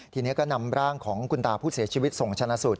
ทีนี้ก็นำร่างของคุณตาผู้เสียชีวิตส่งชนะสูตร